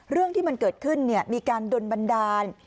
เรื่องที่มันเกิดขึ้นมีการดนบันดาล